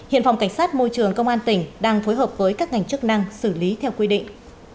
hiện phòng cảnh sát môi trường công an tỉnh đang phối hợp với các ngành chức năng xử lý theo quy định